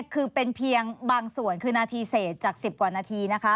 คือเป็นเพียงบางส่วนคือนาทีเศษจาก๑๐กว่านาทีนะคะ